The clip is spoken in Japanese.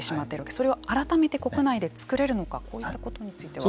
それを改めて国内でつくれるのかこういったことについては。